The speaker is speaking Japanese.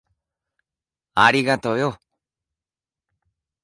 ありがとよ。